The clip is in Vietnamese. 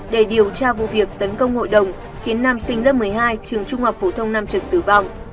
để điều tra vụ việc tấn công hội đồng khiến nam sinh lớp một mươi hai trường trung học phổ thông nam trường tử vong